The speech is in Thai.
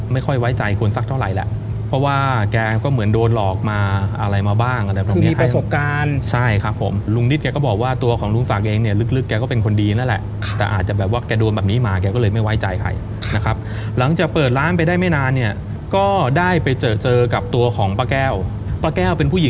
ไม่ค่อยไว้ใจคนสักเท่าไหร่แหละเพราะว่าแกก็เหมือนโดนหลอกมาอะไรมาบ้างอะไรบ้างคือมีประสบการณ์ใช่ครับผมลุงนิดแกก็บอกว่าตัวของลุงศักดิ์เองเนี่ยลึกแกก็เป็นคนดีนั่นแหละแต่อาจจะแบบว่าแกโดนแบบนี้มาแกก็เลยไม่ไว้ใจใครนะครับหลังจากเปิดร้านไปได้ไม่นานเนี่ยก็ได้ไปเจอเจอกับตัวของป้าแก้วป้าแก้วเป็นผู้หญิง